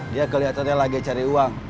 dia kelihatannya lagi cari uang